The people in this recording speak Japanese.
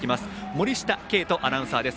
森下桂人アナウンサーです。